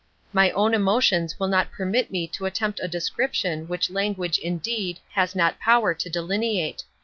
My own emotions will not permit me to attempt a description which language, indeed, has not power to delineate.